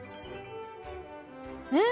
うん！